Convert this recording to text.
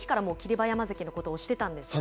馬山関のことおしてたんですよね。